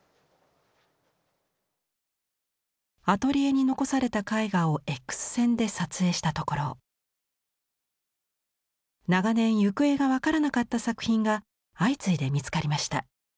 アトリエに残された絵画をエックス線で撮影したところ長年行方が分からなかった作品が相次いで見つかりました。